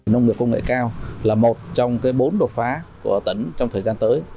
nông nghiệp công nghệ cao là một trong bốn đột phá của tỉnh trong thời gian tới